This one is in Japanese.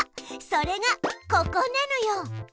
それがここなのよ。